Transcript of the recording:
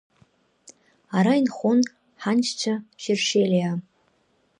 Ара инхон ҳаншьцәа Шьершьелиаа…